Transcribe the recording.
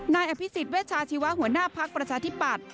นายอภิษฐ์เวชาชีวาหัวหน้าพักประชาธิปัตย์